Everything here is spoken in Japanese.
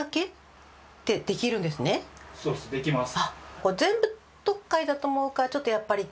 そうですできます。